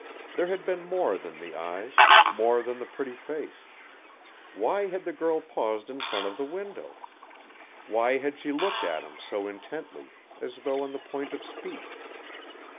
There had been more than the eyes; more than the pretty face! Why had the girl paused in front of the window? Why had she looked at him so intently, as though on the point of speech?